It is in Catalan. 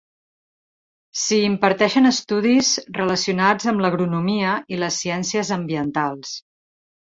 S'hi imparteixen estudis relacionats amb l'agronomia i les ciències ambientals.